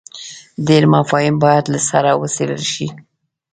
ډېر مفاهیم باید له سره وڅېړل شي.